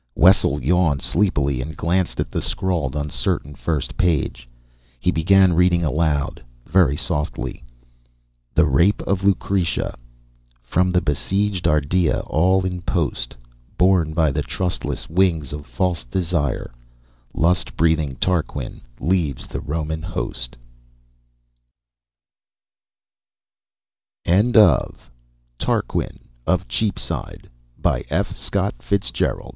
Wessel yawned sleepily and, glancing at the scrawled, uncertain first page, he began reading aloud very softly: The Rape of Lucrece "_From the besieged Ardea all in post, Borne by the trustless wings of false desire, Lust breathing Tarquin leaves the Roman host _" "O RUSSET WITCH!" Merlin Grainger was employed by the Mo